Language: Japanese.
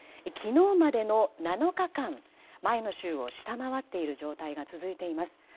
昨日までの７日間前の週を下回っている状態が続いています。